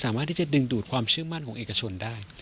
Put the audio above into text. สามารถที่จะดึงดูดความเชื่อมั่นของเอกชนได้